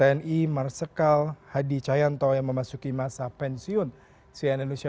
dan jabatan serta penyerahan tongkat komando panglima tni oleh presiden republik indonesia